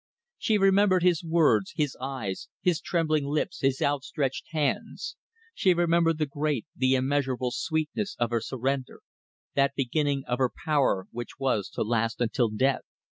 She remembered his words, his eyes, his trembling lips, his outstretched hands; she remembered the great, the immeasurable sweetness of her surrender, that beginning of her power which was to last until death.